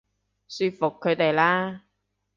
說服佢哋啦